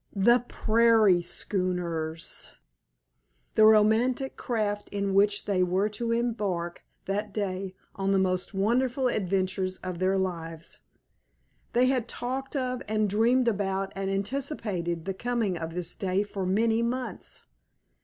The Prairie Schooners! The romantic craft in which they were to embark that day on the most wonderful adventures of their lives! They had talked of and dreamed about and anticipated the coming of this day for many months.